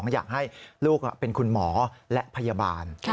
อยากให้ลูกเป็นคุณหมอและพยาบาล